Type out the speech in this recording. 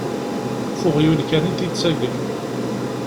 Ɣef uɣyul kan i d-yettagem.